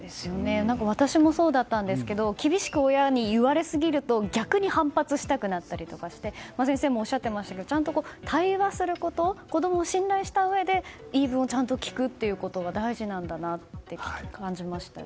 私もそうだったんですけども厳しく親に言われすぎると逆に反発したりしたくなったりして先生もおっしゃっていましたがちゃんと対話すること子供を信頼したうえで言い分をちゃんと聞くってことが大事なんだなって感じましたね。